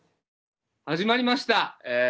始まりました。